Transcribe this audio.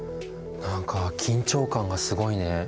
何か緊張感がすごいね。